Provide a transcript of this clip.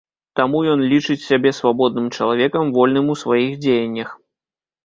Таму ён лічыць сябе свабодным чалавекам вольным у сваіх дзеяннях.